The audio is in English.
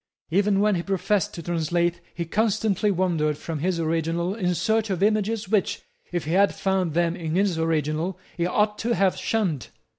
Even when he professed to translate he constantly wandered from his originals in search of images which, if he had found them in his originals, he ought to have shunned.